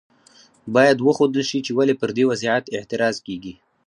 باید وښودل شي چې ولې پر دې وضعیت اعتراض کیږي.